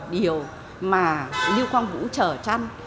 điều mà lưu quang vũ trở trăn